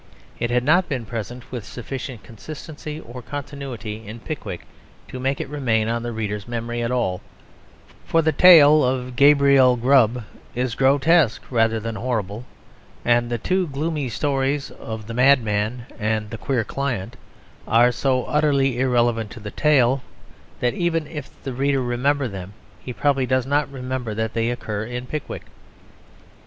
It had not been present with sufficient consistency or continuity in Pickwick to make it remain on the reader's memory at all, for the tale of "Gabriel Grubb" is grotesque rather than horrible, and the two gloomy stories of the "Madman" and the "Queer Client" are so utterly irrelevant to the tale, that even if the reader remember them he probably does not remember that they occur in Pickwick.